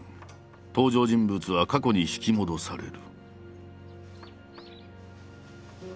登場人物は過去に引き戻される。